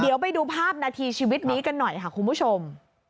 เดี๋ยวไปดูภาพนาทีชีวิตนี้กันหน่อยค่ะคุณผู้ชม